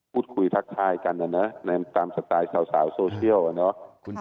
ทักทายกันนะนะตามสไตล์สาวโซเชียล